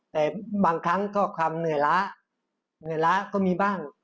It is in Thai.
แต่บางครั้งก็ความเหนื่อยล้าเหนื่อยล้าก็มีบ้าง